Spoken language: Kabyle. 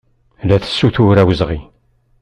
La tessutur awezɣi.